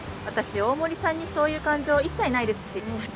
私大森さんにそういう感情一切ないですし。